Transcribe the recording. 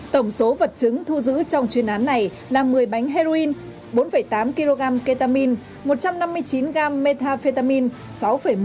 tổng số vật chứng thu giữ trong chuyên án này là một mươi bánh heroin bốn tám kg ketamine một trăm năm mươi chín g methamphetamine